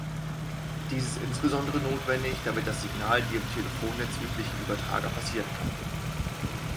Dies ist insbesondere notwendig, damit das Signal die im Telefonnetz üblichen Übertrager passieren kann.